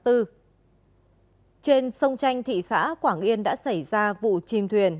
trên sông chanh thị xã quảng yên đã xảy ra vụ chìm thuyền